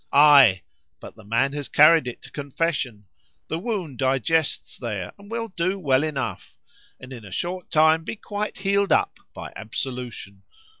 —Aye,—but the man has carried it to confession;—the wound digests there, and will do well enough, and in a short time be quite healed up by absolution.